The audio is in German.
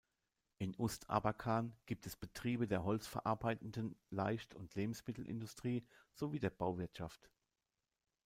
In Ust-Abakan gibt es Betriebe der holzverarbeitenden, Leicht- und Lebensmittelindustrie sowie der Bauwirtschaft.